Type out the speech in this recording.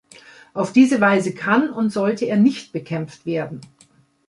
Auf diese Weise kann und sollte er nicht bekämpft werden.